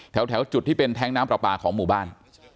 แถวจุดที่เป็นแท้งน้ำปลาปลาของหมู่บ้าน